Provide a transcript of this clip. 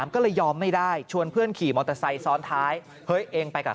ก็เลยยอมไม่ได้ชวนเพื่อนขี่มอเตอร์ไซค์ซ้อนท้ายเฮ้ยเองไปกับ